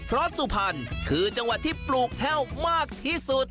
เพราะสุพรรณคือจังหวัดที่ปลูกแห้วมากที่สุด